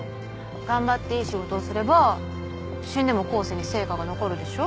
頑張っていい仕事をすれば死んでも後世に成果が残るでしょ。